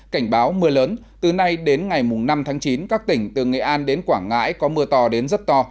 cảnh báo mưa lớn từ nay đến ngày năm tháng chín các tỉnh từ nghệ an đến quảng ngãi có mưa to đến rất to